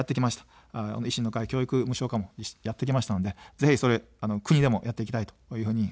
維新の会、教育無償化もやってきたので、ぜひ国でもやっていきたいと思っています。